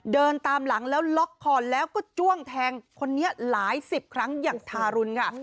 เดินตามหลังแล้วล็อกคอแล้วก็จ้วงแทงคนนี้หลายสิบครั้งอย่างทารุณค่ะ